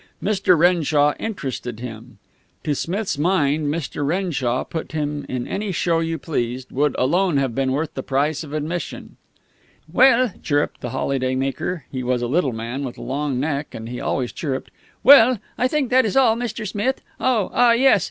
Mr. Renshaw interested him. To Smith's mind Mr. Renshaw, put him in any show you pleased, would alone have been worth the price of admission. "Well," chirruped the holiday maker he was a little man with a long neck, and he always chirruped "Well, I think that is all, Mr. Smith. Oh, ah, yes!